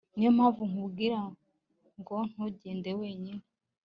Niyo mpamvu nkubwira ngo ntugende wenyine